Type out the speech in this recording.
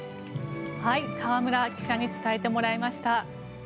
河村記者に伝えてもらいました。